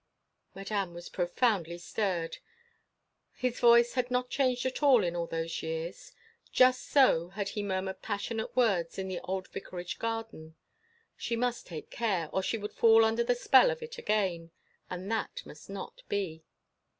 Madame was profoundly stirred. His voice had not changed at all in all those years: just so had he murmured passionate words in the old vicarage garden. She must take care, or she would fall under the spell of it again—and that must not be.